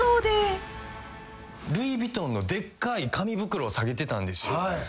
ルイ・ヴィトンのでっかい紙袋提げてたんですよ。